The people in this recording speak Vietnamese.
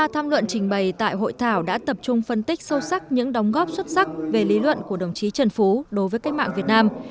ba tham luận trình bày tại hội thảo đã tập trung phân tích sâu sắc những đóng góp xuất sắc về lý luận của đồng chí trần phú đối với cách mạng việt nam